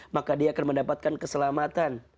maka dia akan mendapatkan keselamatan